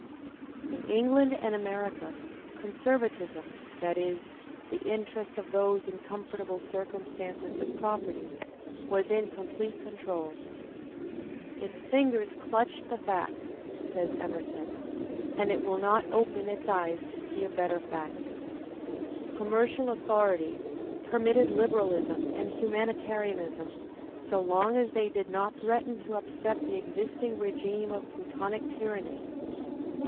In England and America, conservatism, that is, the interests of those in comfortable circumstances of property, was in complete control. "Its fingers clutch the fact," says Emerson, " and it will not open its eyes to see a better fact." Commercial authority permit ted liberalism and humanitaxianism so long as they did not threaten to upset the existing regime of plutonic tyranny.